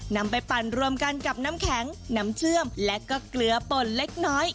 นำไปปั่นรวมกันกับน้ำแข็งน้ำเชื่อมและก็เกลือป่นเล็กน้อย